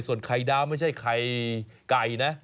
ส่วนไข่ดาวไม่ใช่ไข่ไก่นะ